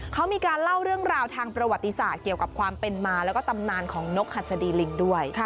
เขามีการเล่าเรื่องราวทางประวัติศาสตร์เกี่ยวกับความเป็นมาแล้วก็ตำนานของนกหัสดีลิงด้วย